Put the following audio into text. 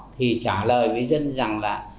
thì trả lời với dân rằng là